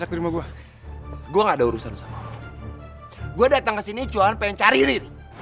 buah dateng kesini cuan pengen cari ri